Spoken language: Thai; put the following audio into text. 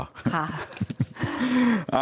ค่ะ